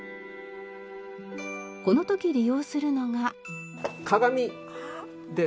この時利用するのが。